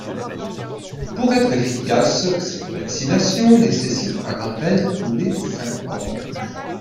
Pour être efficace, cette vaccination nécessite un rappel tous les cinq ans.